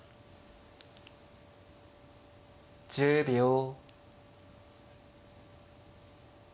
１０秒。